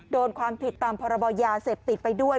โดนความผิดตามพรบยาเสพติดไปด้วย